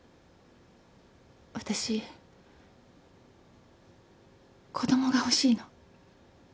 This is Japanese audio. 私子供が欲しいの。